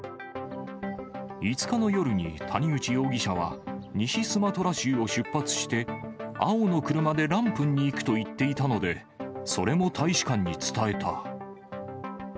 ５日の夜に谷口容疑者は、西スマトラ州を出発して、青の車でランプンに行くと言っていたので、それも大使館に伝えた。